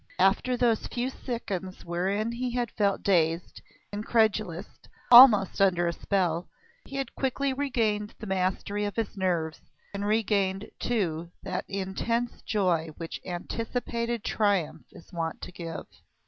After those few seconds wherein he had felt dazed, incredulous, almost under a spell, he had quickly regained the mastery of his nerves, and regained, too, that intense joy which anticipated triumph is wont to give.